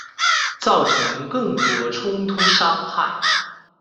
造成更多冲突伤害